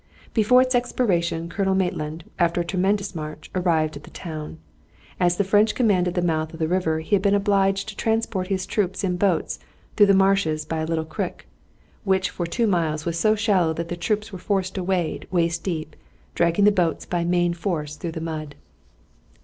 Before its expiration Colonel Maitland, after a tremendous march, arrived at the town. As the French commanded the mouth of the river he had been obliged to transport his troops in boats through the marshes by a little creek, which for two miles was so shallow that the troops were forced to wade waist deep, dragging the boats by main force through the mud.